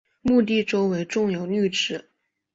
墓地周围种有绿植。